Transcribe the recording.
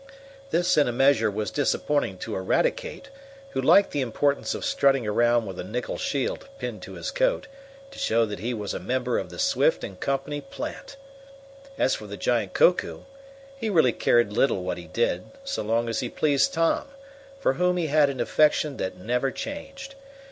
This in a measure was disappointing to Eradicate, who liked the importance of strutting about with a nickel shield pinned to his coat, to show that he was a member of the Swift & Company plant. As for the giant Koku, he really cared little what he did, so long as he pleased Tom, for whom he had an affection that never changed.